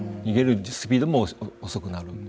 逃げるスピードも遅くなる。